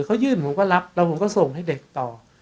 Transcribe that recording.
เขายื่นผมก็รับแล้วผมก็ส่งให้เด็กต่อ